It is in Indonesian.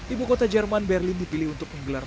ibu kota jerman berlin dipilih untuk menggelar